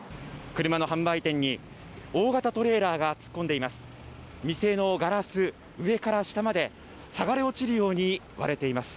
車の販売店に大型トレーラーが突っ込んでいます。